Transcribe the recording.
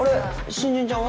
新人ちゃんは？